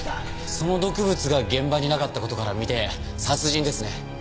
その毒物が現場になかった事からみて殺人ですね。